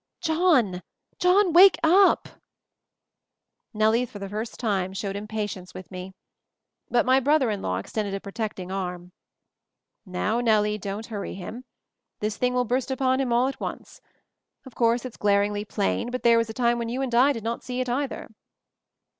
John, John, wake up !" Nellie for the first time showed impatience with me. But my brother in law extended a protecting arm. Now, Nellie, don't hurry him. This thing will burst upon him all at once. Of course, it's glaringly plain, but there was a time when you and I did not see it either."